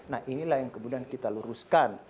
nah inilah yang kemudian kita luruskan